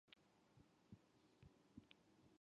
There are pros and cons to each.